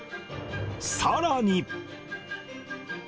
さらに。